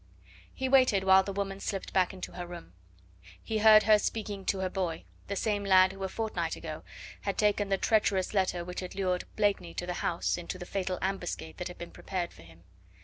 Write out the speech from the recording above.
He waited while the woman slipped back into her room. She heard him speaking to her boy; the same lad who a fortnight ago had taken the treacherous letter which had lured Blakeney to the house into the fatal ambuscade that had been prepared for him.